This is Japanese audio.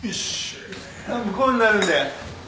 向こうになるんで。